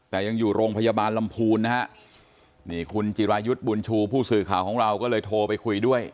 แต่ยังอยู่โรงพยาบาลลำพูนนะฮะนี่คุณจิรายุทธ์บุญชูผู้สื่อข่าวของเราก็เลยโทรไปคุยด้วย